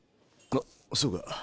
あっそうか。